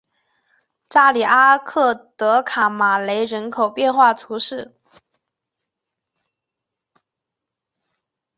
托里阿克德卡马雷人口变化图示